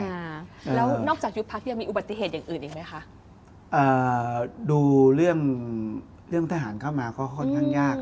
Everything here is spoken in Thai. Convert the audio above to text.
อธุรกิจดูเรื่องทหารเข้ามาก็ค่อนข้างยาก